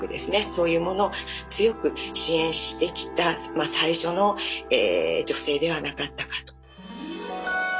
そういうものを強く支援してきた最初の女性ではなかったかと。